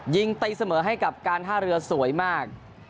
ยิงตีเสมอให้กับการท่าเรือสวยมาก